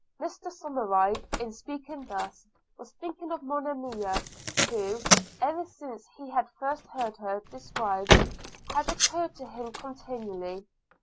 Mrs Somverive, in speaking thus, was thinking of Monimia, who, ever since he had first heard her described, had occurred to him continually.